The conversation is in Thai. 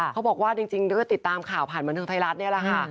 เขาบอกว่าจริงก็ติดตามข่าวผ่านบันเทิงไทยรัฐนี่แหละค่ะ